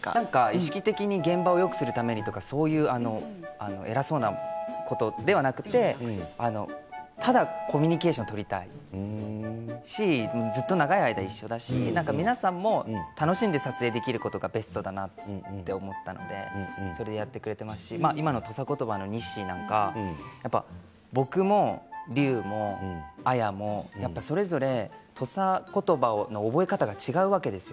意識的に現場をよくするためにとかそういう偉そうなことではなくてただコミュニケーションを取りたいしずっと長い間一緒だし皆さんも楽しんで撮影できることがベストだなと思ったのでそれでやってくれていますし今の土佐言葉のにっしーなんか僕も隆も綾もそれぞれ土佐言葉の覚え方が違うわけです。